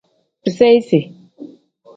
Biseyisi.